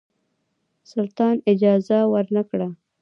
سلطان اجازه ورنه کړه.